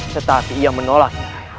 tetapi ia menolak